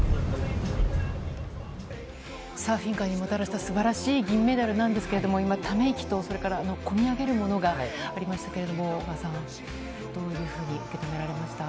サーフィン界にもたらしたすばらしい銀メダルなんですけれども、今、ため息とそれからこみ上げるものがありましたけれども、小川さん、どういうふうに受け止められましたか？